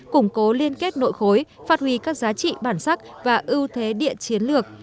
củng cố liên kết nội khối phát huy các giá trị bản sắc và ưu thế địa chiến lược